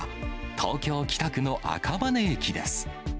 東京・北区の赤羽駅です。